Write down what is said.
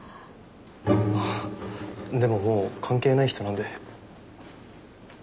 あっでももう関係ない人なんで。